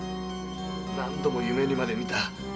何度も夢にまで見た。